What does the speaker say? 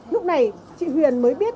lúc này chị huyền mới biết